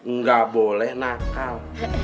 nggak boleh nakal